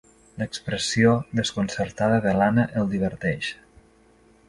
L'expressió desconcertada de l'Anna el diverteix.